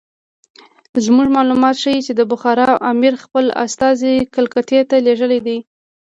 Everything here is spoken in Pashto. زموږ معلومات ښیي چې د بخارا امیر خپل استازي کلکتې ته لېږلي دي.